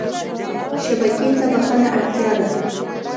شبکې ته بښنه اړتیا ده.